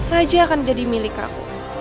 raja akan jadi milik aku